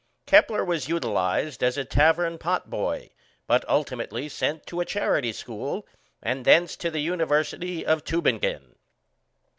Kepler was utilized as a tavern pot boy, but ultimately sent to a charity school, and thence to the University of Tübingen.